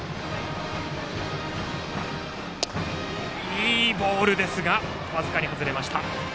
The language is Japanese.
いいボールですが僅かに外れました。